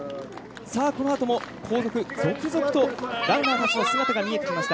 この後も後続、続々とランナーたちの姿が見えてきました。